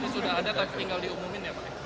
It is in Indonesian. sudah ada tinggal diumumin ya pak